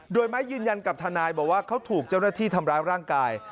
โดยไม้ยืนยันกับทนายบอกว่าเขาถูกเจ้าหน้าที่ทำร้ายร่างกาย